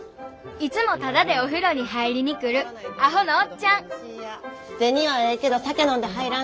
いつもタダでお風呂に入りに来るアホのおっちゃん銭はええけど酒飲んで入らんとって。